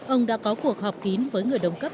ông đã có cuộc họp kín với người đồng cấp